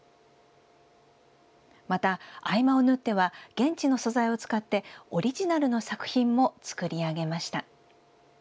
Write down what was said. また合間を縫っては現地の素材を使ってオリジナルの作品も作り上げました。